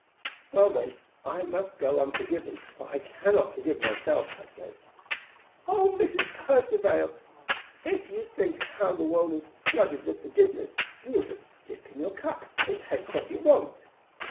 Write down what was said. "Well, then, I must go unforgiven, for I cannot forgive myself," I said. "O Mrs. Percivale! if you think how the world is flooded with forgiveness, you will just dip in your cup, and take what you want."